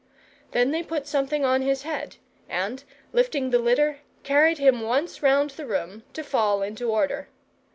Then they put something on his head, and, lifting the litter, carried him once round the room, to fall into order.